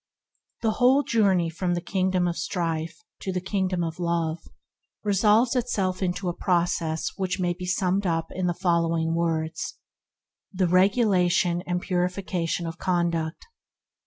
/ "T" S HE whole journey from the Kingdom of * Strife to the Kingdom of Love resolves itself into a process that may be summed up in the following words: The regulation and purification of conduct.